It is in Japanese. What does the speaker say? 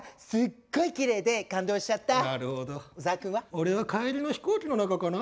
俺は帰りの飛行機の中かな？